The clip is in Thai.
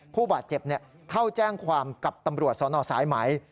ผู้บาดเจ็บเข้าแจ้งความกับตำรวจสนสายไหม